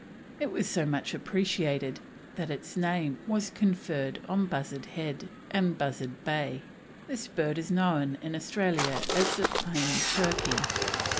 It was so much appreciated that its name was conferred on Bustard Head and Bustard Bay. This bird is known in Australia as the Plain Turkey.